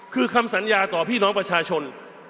คือคำสัญญาต่อพี่น้องประชาชน